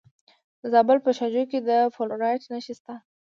د زابل په شاجوی کې د فلورایټ نښې شته.